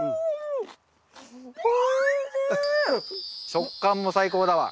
食感も最高だわ。